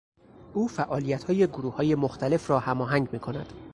او فعالیتهای گروههای مختلف را هماهنگ میکند.